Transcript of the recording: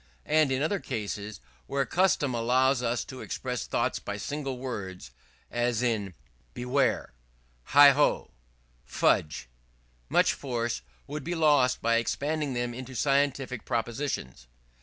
And in other cases, where custom allows us to express thoughts by single words, as in Beware, Heigho, Fudge, much force would be lost by expanding them into specific propositions.